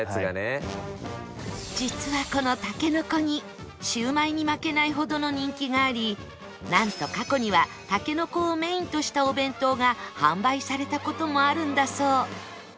実はこの筍煮シウマイに負けないほどの人気がありなんと過去には筍をメインとしたお弁当が販売された事もあるんだそう